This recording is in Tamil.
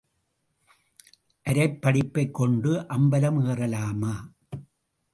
அரைப் படிப்பைக் கொண்டு அம்பலம் ஏறலாமா?